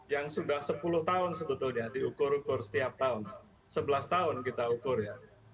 yang sudah sepuluh tahun sebetulnya diukur ukur setiap tahun sebelas tahun kita ukur ya